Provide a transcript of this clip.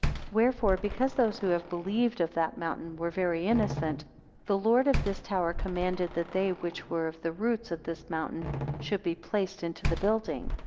251 Wherefore because those who have believed of that mountain, were very innocent; the lord of this tower commanded that they which were of the roots of this mountain should be placed into the building.